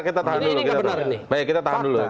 ini tidak benar